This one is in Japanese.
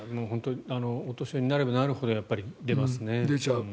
お年寄りになればなるほど出ますね。